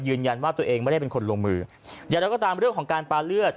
ยืนยันว่าตัวเองไม่ได้เป็นคนลงมืออย่างไรก็ตามเรื่องของการปาเลือด